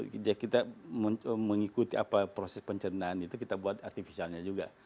jadi kita mengikuti proses pencernaan itu kita buat artificialnya juga